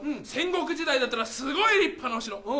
戦国時代だったらすごい立派なお城。